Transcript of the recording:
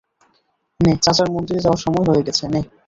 নে, চাচার মন্দিরে যাওয়ার সময় হয়ে গেছে, নে।